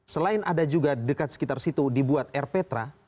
selain ada juga dekat sekitar situ dibuat air petra